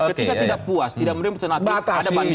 ketika tidak puas tidak merimu peneliti ada banding